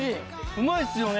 うまいっすよね。